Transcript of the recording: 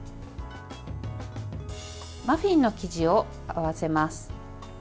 マフィンの生地を合わせます。